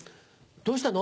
どうしたの？